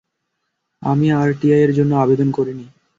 আমি আরটিআই-এর জন্য আবেদন করিনি।